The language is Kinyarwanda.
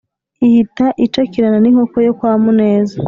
ihita icakirana n’inkoko yo kwa Muneza